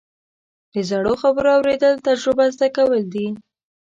د زړو خبرو اورېدل، تجربه زده کول دي.